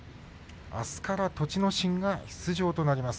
あすから栃ノ心が登場ということになります。